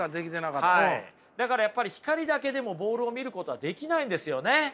だからやっぱり光だけでもボールを見ることはできないんですよね。